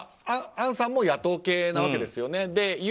アンさんも野党系なわけですよね。